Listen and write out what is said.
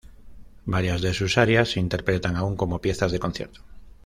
Varias de sus arias se interpretan aún como piezas de concierto.